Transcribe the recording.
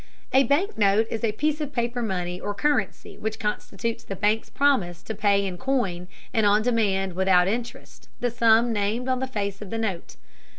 A bank note is a piece of paper money or currency which constitutes the bank's promise to pay in coin and on demand without interest, the sum named on the face of the note.